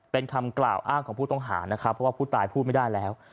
เป็นคำกล่าวอ้างของผู้ต้องหานะครับเพราะว่าผู้ตายพูดไม่ได้แล้ว